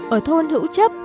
ở thôn hữu chấp